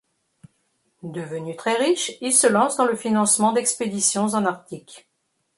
Devenu très riche, il se lance dans le financement d'expéditions en Arctique.